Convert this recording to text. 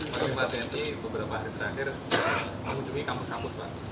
terakhir mengunjungi kampus kampus pak